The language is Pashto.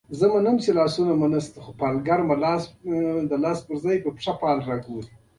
دا د ګوندونو موضوع نه ده.